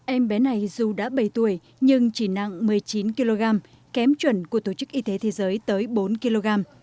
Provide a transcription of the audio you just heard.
em bé này dù đã bảy tuổi nhưng chỉ nặng một mươi chín kg kém chuẩn của tổ chức y tế thế giới tới bốn kg